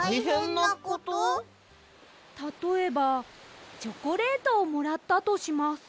たとえばチョコレートをもらったとします。